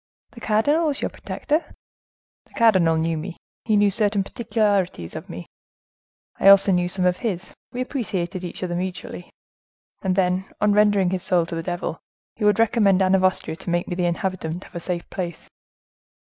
"The cardinal was your protector?" "The cardinal knew me; he knew certain particularities of me; I also knew some of his; we appreciated each other mutually. And then, on rendering his soul to the devil, he would recommend Anne of Austria to make me the inhabitant of a safe place.